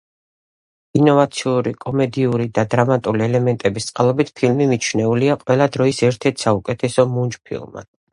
ინოვაციური კომედიური და დრამატული ელემენტების წყალობით, ფილმი მიჩნეულია ყველა დროის ერთ-ერთ საუკეთესო მუნჯ ფილმად.